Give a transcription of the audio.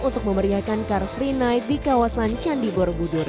untuk memeriakan car free night di kawasan candi borobudur